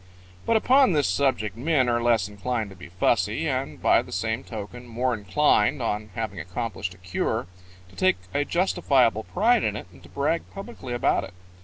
"] But upon this subject men are less inclined to be fussy, and by the same token more inclined, on having accomplished a cure, to take a justifiable pride in it and to brag publicly about it.